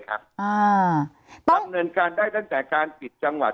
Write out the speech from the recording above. ดำเนินการได้ตั้งแต่การปิดจังหวัด